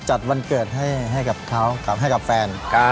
จัดวันเกิดให้กับเขาให้กับแฟน